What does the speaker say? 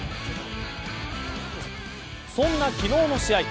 そんな昨日の試合